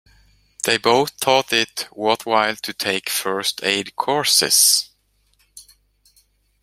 They both thought it worthwhile to take first aid courses.